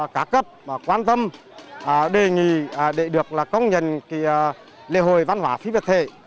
cá cấp quan tâm đề nghị để được công nhận lễ hội văn hóa phí vật thể